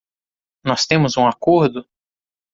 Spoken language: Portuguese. Nós temos um acordo?